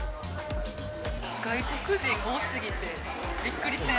外国人多すぎてびっくりせん？